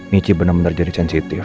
michi benar benar jadi sensitif